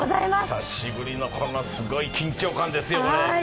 久しぶりのすごい緊張感ですよ。